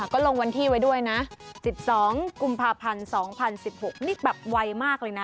ก็ลงวันที่ไว้ด้วยนะ๑๒๑๒๒๐๑๖นี่แบบวัยมากเลยนะ